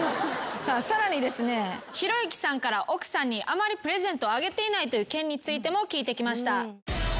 さあさらにですねひろゆきさんから奥さんにあまりプレゼントをあげていないという件についても聞いてきました。